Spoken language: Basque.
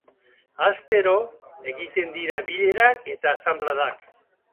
Astero egiten dira bilerak eta asanbladak.